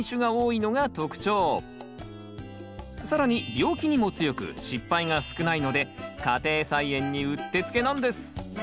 更に病気にも強く失敗が少ないので家庭菜園にうってつけなんです！